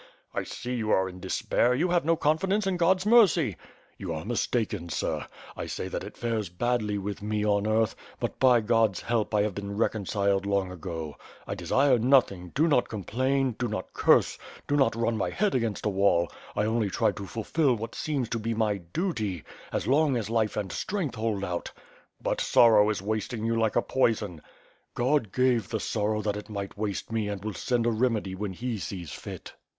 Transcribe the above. "I see you are in despair, you have no confidence in God^s mercy." "You are mistaken, sir. I say that it fares badly with me on earth, but, by God's help, I have been reconciled long ago. I desire nothing, do not complain, do not curse, do not run my head against a wall; I only try to fulfill what seems to be my duty, as long as life and strength hold out." "But sorrow is wasting you like a poison." "God gave the sorrow that it might waste me and will send a remedy when he sees fit."